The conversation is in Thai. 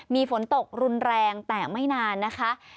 มีฝนตกรุนแรงแต่ไม่นานนะคะ